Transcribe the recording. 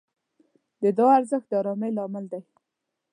د دعا ارزښت د آرامۍ لامل دی.